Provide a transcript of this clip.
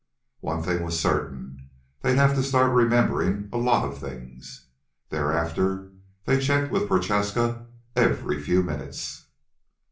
One thing was certain: they'd have to start remembering a lot of things. Thereafter, they checked with Prochaska every few minutes.